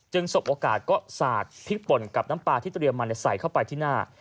สบโอกาสก็สาดพริกป่นกับน้ำปลาที่เตรียมมาใส่เข้าไปที่หน้า